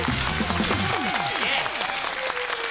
イエイ。